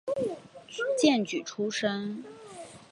荐举出身。